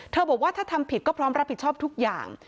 บอกว่าถ้าทำผิดก็พร้อมรับผิดชอบทุกอย่าง